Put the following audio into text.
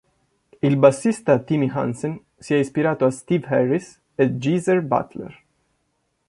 Il bassista Timi Hansen si è ispirato a Steve Harris e Geezer Butler.